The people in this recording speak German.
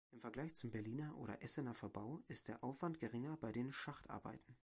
Im Vergleich zum Berliner oder Essener Verbau ist der Aufwand geringer bei den Schachtarbeiten.